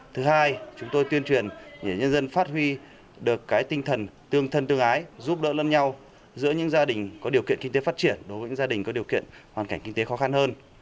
thứ hai chúng tôi tuyên truyền để nhân dân phát huy được tinh thần tương thân tương ái giúp đỡ lân nhau giữa những gia đình có điều kiện kinh tế phát triển đối với những gia đình có điều kiện hoàn cảnh kinh tế khó khăn hơn